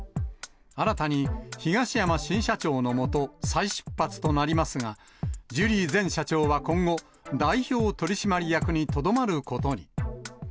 新たに東山新社長の下、再出発となりますが、ジュリー前社長は今後、代表取締役にとどまることに。